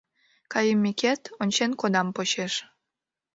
Кайымекет, ончен кодам почеш.